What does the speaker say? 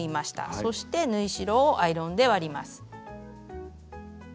そして縫い代をアイロンで割ります。